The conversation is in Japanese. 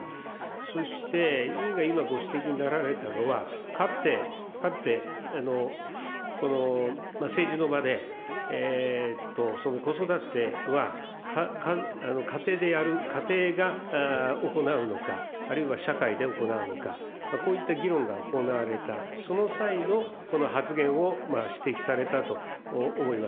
そして、委員が今ご指摘になられたのは、かつて、政治の場で、子育ては家庭でやる、家庭が行うのか、あるいは社会で行うのか、こういった議論が行われた、その際のこの発言を指摘されたと思います。